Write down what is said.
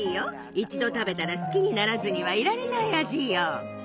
一度食べたら好きにならずにはいられない味よ。